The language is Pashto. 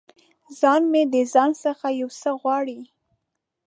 ځان مې د ځان څخه یو څه غواړي